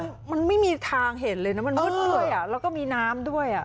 คือมันไม่มีทางเห็นเลยนะมันมืดเลยอ่ะแล้วก็มีน้ำด้วยอ่ะ